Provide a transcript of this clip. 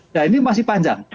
nah ini masih panjang